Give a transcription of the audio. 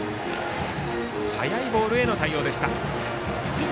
速いボールへの対応でした。